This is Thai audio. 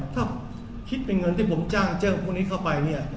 ถ้าคิดเป็นเงินที่ผมจ้างเจ้าพวกนี้เข้าไปเนี่ย